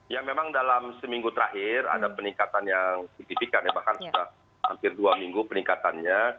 ya memang dalam seminggu terakhir ada peningkatan yang signifikan ya bahkan sudah hampir dua minggu peningkatannya